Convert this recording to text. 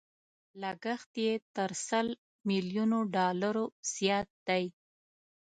لګښت يې تر سل ميليونو ډالرو زيات دی.